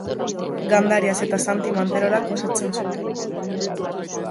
Gandarias eta Santi Manterolak osatzen zuten.